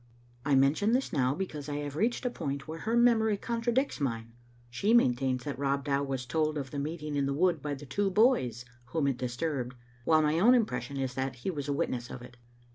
I mention this now because I have reached a point where her memory con tradicts mine. She maintains that Rob Dow was told of the meeting in the wood by the two boys whom it disturbed, while my own impression is that he was a witness of it.